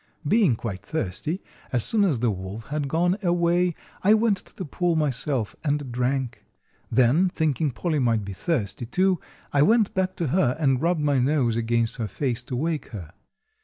Being quite thirsty, as soon as the wolf had gone away I went to the pool myself and drank. Then, thinking Polly might be thirsty, too, I went back to her and rubbed my nose against her face to wake her.